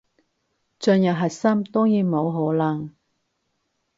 進入核心，當然冇可能